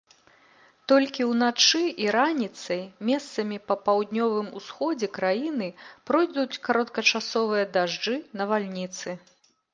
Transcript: Толькі ўначы і раніцай месцамі па паўднёвым усходзе краіны пройдуць кароткачасовыя дажджы, навальніцы.